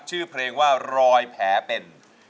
ชื่อเพลงว่ารอยแผลเป็น